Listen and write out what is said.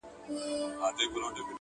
o زوی د پلار په دې خبره ډېر خفه سو,